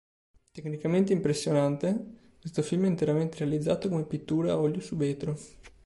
Tecnicamente impressionante, questo film è interamente realizzato come pittura a olio su vetro.